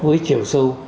với chiều sâu